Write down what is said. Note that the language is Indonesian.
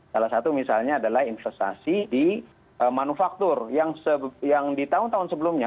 salah satu misalnya adalah investasi di manufaktur yang di tahun tahun sebelumnya